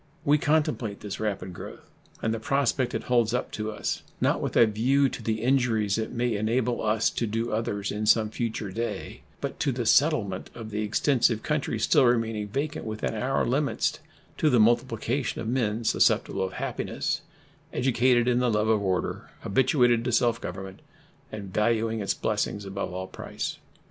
We contemplate this rapid growth and the prospect it holds up to us, not with a view to the injuries it may enable us to do others in some future day, but to the settlement of the extensive country still remaining vacant within our limits to the multiplication of men susceptible of happiness, educated in the love of order, habituated to self government, and valuing its blessings above all price.